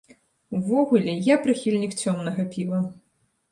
Увогуле, я прыхільнік цёмнага піва.